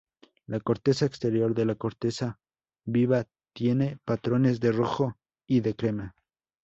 La corteza exterior de la corteza viva tiene patrones de rojo y de crema.